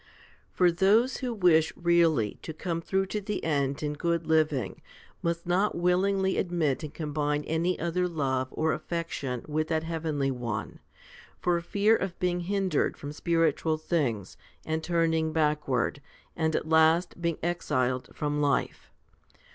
For those who wish really to come through to the end in good living must not willingly admit and combine any other love or affection with that heavenly one, for fear of being hindered from spiritual things, and turning backward, and at last being exiled from life.